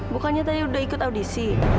bukannya tadi udah ikut audisi